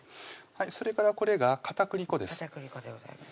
それからこれが片栗粉です